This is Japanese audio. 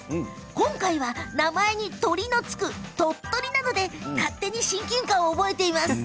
今回は、名前に鳥の付く鳥取なので、勝手に親近感を覚えています。